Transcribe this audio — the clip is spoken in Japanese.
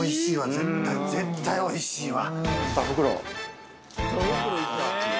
絶対おいしいわ。